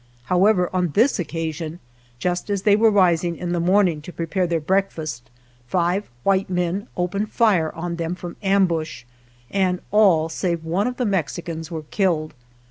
However, on this occasion, just as they were rising in the morning to prepare their breakfast, five white men opened fire on them from ambush and all save one of the Mexicans were killed.